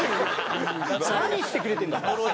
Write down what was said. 「何してくれてんだ」と。